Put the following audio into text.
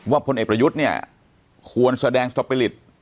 ว่าผู้เด็กประยุทธ์เนี่ยควรแสดงสตบประหลิต